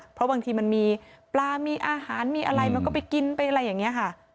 เพราะบางทีมันมีปลามีอาหารมีอะไรมันก็ไปกินไปอะไรอย่างนี้ค่ะ